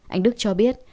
anh đức cho biết